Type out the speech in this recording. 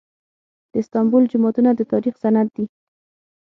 د استانبول جوماتونه د تاریخ سند دي.